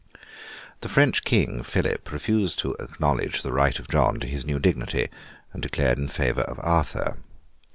The French King, Philip, refused to acknowledge the right of John to his new dignity, and declared in favour of Arthur.